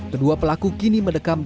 kedua pelaku kini mendekam